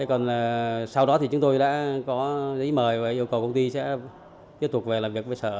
còn sau đó thì chúng tôi đã có giấy mời và yêu cầu công ty sẽ tiếp tục về làm việc với sở